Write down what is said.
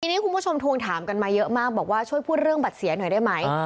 ทีนี้คุณผู้ชมทวงถามกันมาเยอะมากบอกว่าช่วยพูดเรื่องบัตรเสียหน่อยได้ไหม